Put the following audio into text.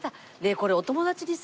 これお友達にさ